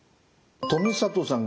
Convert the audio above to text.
富里さん